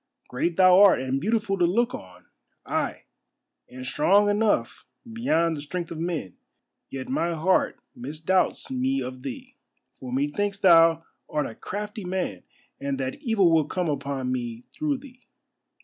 Great thou art and beautiful to look on, ay, and strong enough beyond the strength of men, yet my heart misdoubts me of thee. For methinks thou art a crafty man, and that evil will come upon me through thee."